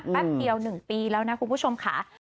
แป๊บเดียว๑ปีแล้วนะคุณผู้ชมค่ะ